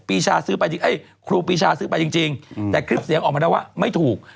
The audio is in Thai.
ปีชาซื้อไปครูปีชาซื้อไปจริงแต่คลิปเสียงออกมาแล้วว่าไม่ถูก